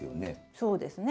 そうですね。